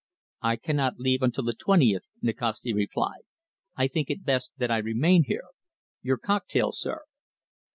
"I cannot leave until the twentieth," Nikasti replied. "I think it best that I remain here. Your cocktail, sir."